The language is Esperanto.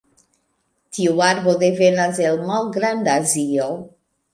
Tiu arbo devenas el Malgrand-Azio.